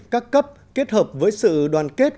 các cấp kết hợp với sự đoàn kết